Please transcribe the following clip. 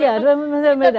itu dua hal yang berbeda